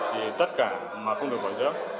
thì tất cả mà không được bỏ dưỡng